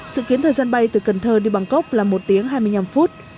sự kiến thời gian bay từ cần thơ đi bangkok là một tiếng hai mươi năm phút